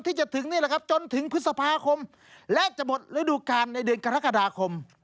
ที่จะถึงนี่แหละครับจนถึงพฤษภาคมและจะหมดฤดูการในเดือนกรกฎาคม